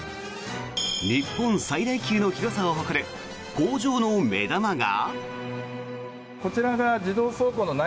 日本最大級の広さを誇る工場の目玉が。